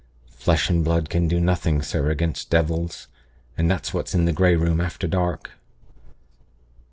'Flesh and blood can do nothing, sir, against devils; and that's what's in the Grey Room after dark.'